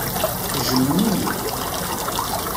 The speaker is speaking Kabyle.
Tejjmem-iyi?